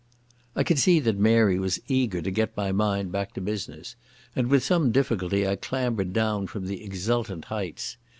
I could see that Mary was eager to get my mind back to business, and with some difficulty I clambered down from the exultant heights.